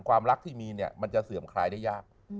ความรักที่มีเนี่ยมันจะเสื่อมคลายได้ยาก